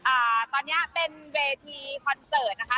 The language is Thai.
อ่าตอนเนี้ยเป็นเวทีคอนเสิร์ตนะคะ